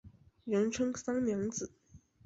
人称三娘子。